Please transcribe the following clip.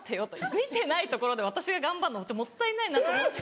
見てないところで私が頑張るのもったいないなと思って。